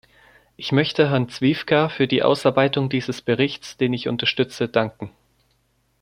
Ich möchte Herrn Zwiefka für die Ausarbeitung dieses Berichts, den ich unterstütze, danken.